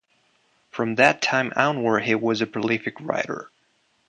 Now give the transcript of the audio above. From that time onward he was a prolific writer.